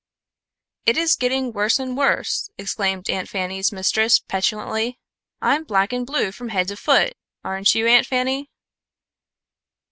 "It is getting worse and worse," exclaimed Aunt Fanny's mistress, petulantly. "I'm black and blue from head to foot, aren't you, Aunt Fanny?"